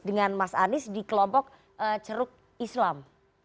dengan mas anies di kelompok ceruk islam